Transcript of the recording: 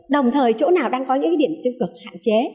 đồng thời chỗ nào đang có những điểm tiêu cực hạn chế